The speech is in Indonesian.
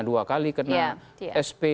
dua kali kena sp